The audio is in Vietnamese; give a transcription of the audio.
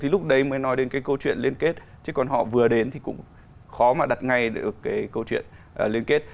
thì lúc đấy mới nói đến cái câu chuyện liên kết chứ còn họ vừa đến thì cũng khó mà đặt ngay được cái câu chuyện liên kết